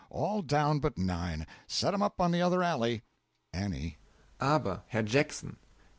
All down but nine; set'm up on the other alley! A. Aber, Herr Jackson!